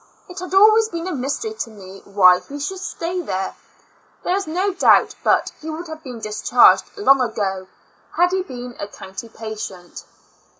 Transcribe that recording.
It has always been a mystery to me why he should stay there. There is no doubt but 98 T'^^^o Years AND Four Months he Vv^ould have been discharged long ago, had he been a county patient.